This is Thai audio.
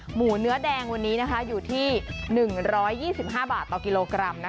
หมูเนื้อแดงประมาณ๑๒๕บาททุกกิโลกรัม